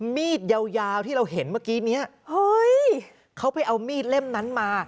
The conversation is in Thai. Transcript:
มีดยาวยาวที่เราเห็นเมื่อกี้เนี้ยเฮ้ยเขาไปเอามีดเล่มนั้นมา